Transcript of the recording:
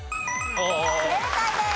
正解です。